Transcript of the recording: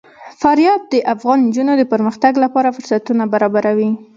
فاریاب د افغان نجونو د پرمختګ لپاره فرصتونه برابروي.